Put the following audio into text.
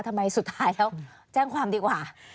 สุดท้ายแล้วแจ้งความดีกว่า